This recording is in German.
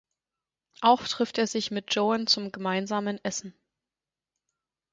Auch trifft er sich mit Joan zum gemeinsamen Essen.